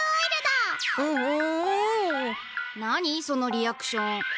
そのリアクション。